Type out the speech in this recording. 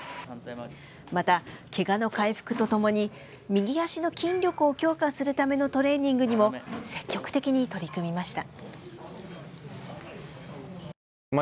また、けがの回復とともに右足の筋力を強化するためのトレーニングにも積極的に取り組みました。